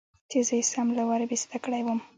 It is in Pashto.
چې زه يې سم له وارې بېسده کړى وم.